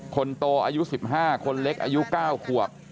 คนโตอายุ๑๕คนเล็กอายุ๙ขวบ